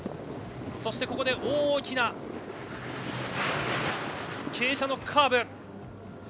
そして大きな傾斜のカーブ。